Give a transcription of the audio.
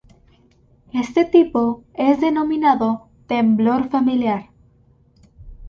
Este tipo es denominado temblor familiar.